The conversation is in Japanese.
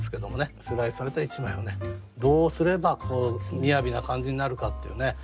スライスされた一枚をどうすれば雅な感じになるかっていうね。